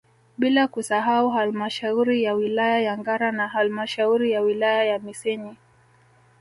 Bila kusahau halmashauri ya wilaya ya Ngara na halmashauri ya wilaya ya Misenyi